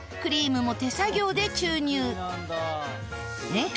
年間